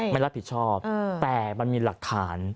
ไม่รับผิดชอบแต่มันมีหลักฐาน